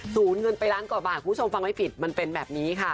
เงินไปล้านกว่าบาทคุณผู้ชมฟังไม่ผิดมันเป็นแบบนี้ค่ะ